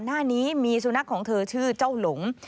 หน้านี้มีสุนัขของเธอชื่อเจ้าหลง